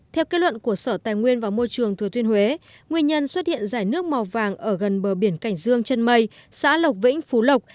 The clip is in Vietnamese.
theo kết luận của sở tài nguyên và môi trường thừa thiên huế nguyên nhân xuất hiện giải nước màu vàng ở gần bờ biển cảnh dương chân mây xã lộc vĩnh phú lộc